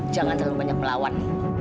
jangan terlalu banyak melawan